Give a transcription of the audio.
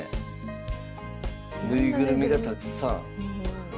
縫いぐるみがたくさん。